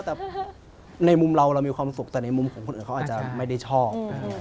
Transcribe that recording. แต่ในมุมเราเรามีความสุขแต่ในมุมของคนอื่นเขาอาจจะไม่ได้ชอบ